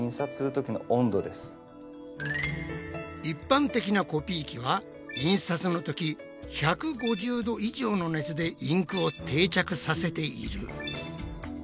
一般的なコピー機は印刷のとき１５０℃以上の熱でインクを定着させている。